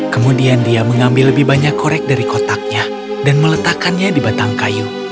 kemudian dia mengambil lebih banyak korek dari kotaknya dan meletakkannya di batang kayu